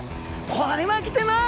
これはきてます！